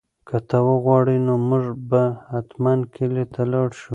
که ته وغواړې نو موږ به حتماً کلي ته لاړ شو.